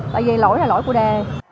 tại vì lỗi là lỗi của đề